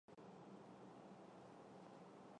但是要待一个小时